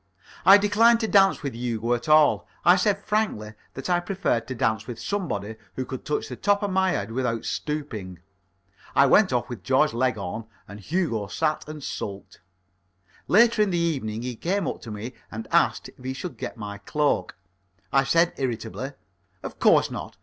I declined to dance with Hugo at all. I said frankly that I preferred to dance with somebody who could touch the top of my head without stooping. I went off with Georgie Leghorn, and Hugo sat and sulked. Later in the evening he came up to me and asked if he should get my cloak. I said irritably: "Of course not.